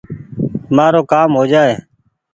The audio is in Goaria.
مآرو ڪآم هو جآئي